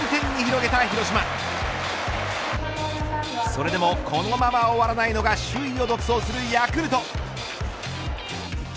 それでもこのまま終わらないのが首位を独走するヤクルト。